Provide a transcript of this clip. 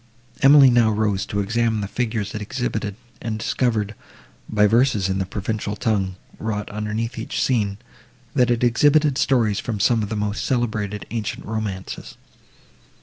Emily now rose to examine the figures it exhibited, and discovered, by verses in the Provençal tongue, wrought underneath each scene, that it exhibited stories from some of the most celebrated ancient romances.